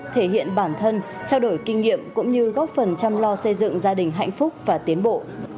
thể hiện bản thân trao đổi kinh nghiệm cũng như góp phần chăm lo xây dựng gia đình hạnh phúc và tiến bộ